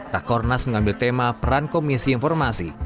rakornas mengambil tema peran komisi informasi